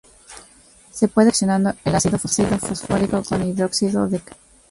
Se puede producir reaccionando el ácido fosfórico con hidróxido de calcio.